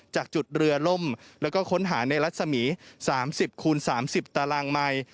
จากจุดเรือล่มแล้วก็ค้นหาในรัศมี๓๐คูณ๓๐ตารางไมค์